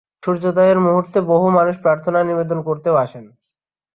সূর্যোদয়ের মুহূর্তে বহু মানুষ প্রার্থনা নিবেদন করতেও আসেন।